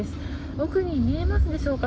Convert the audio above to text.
奥に見えますでしょうか